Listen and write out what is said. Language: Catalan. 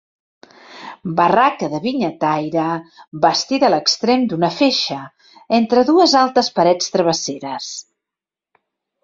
Barraca de vinyataire bastida a l'extrem d'una feixa, entre dues altes parets travesseres.